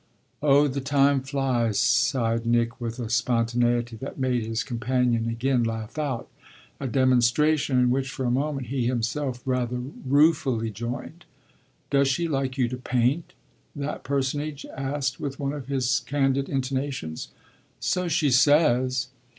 "Oh the time flies!" sighed Nick with a spontaneity that made his companion again laugh out a demonstration in which for a moment he himself rather ruefully joined. "Does she like you to paint?" that personage asked with one of his candid intonations. "So she says."